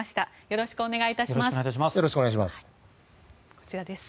よろしくお願いします。